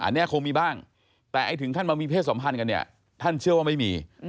อ่านี่คงมีบ้างแต่ถึงถึงมีเคธสัมพันธ์กันเนี่ยท่านเชื่อว่าไม่มี